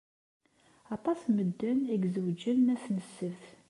Aṭas n medden i izewwǧen ass n ssebt.